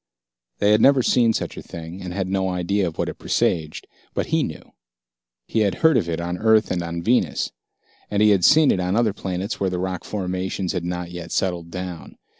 They had never seen such a thing and had no idea of what it presaged, but he knew. He had heard of it on Earth and on Venus, and he had seen it on other planets where the rock formations had not yet settled down.